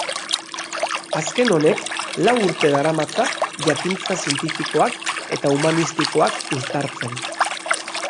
Azken honek lau urte daramatza jakintza zientifikoak eta humanistikoak uztartzen.